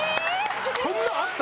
そんなのあった？